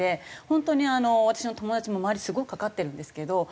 本当にあの私の友達も周りすごいかかってるんですけど。